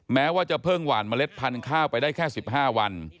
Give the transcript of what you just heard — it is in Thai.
แม้ว่าจะเพิ่งหวานเมล็ดพันธุ์ข้าวไปได้แค่๑๕วัน